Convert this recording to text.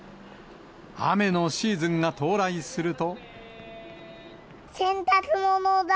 雨のシーズンが到来すると。